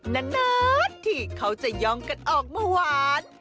น้าที่เขาจะย้องกันออกเมื่อวาน